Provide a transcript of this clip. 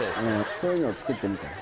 そういうのを作ってみたら？